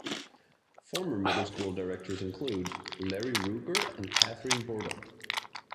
Former middle school directors include: Larry Rueger and Katherine Bourdon.